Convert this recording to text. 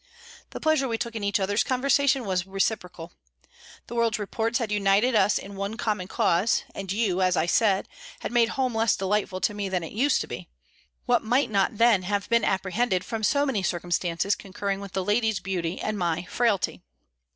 The pleasure we took in each other's conversation was reciprocal. The world's reports had united us in one common cause: and you, as I said, had made home less delightful to me than it used to be: what might not then have been apprehended from so many circumstances concurring with the lady's beauty and my frailty?